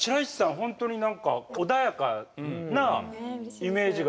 本当に何か穏やかなイメージがある。